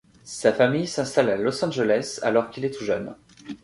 Sa famille s'installe à Los Angeles alors qu'il est tout jeune.